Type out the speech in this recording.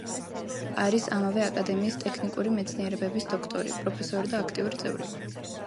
არის ამავე აკადემიის ტექნიკური მეცნიერებების დოქტორი, პროფესორი და აქტიური წევრი.